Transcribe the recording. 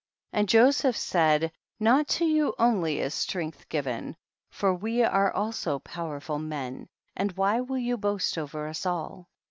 31. And Joseph said, not to you only is strength given, for we are also powerful men, and why will you boast over us all?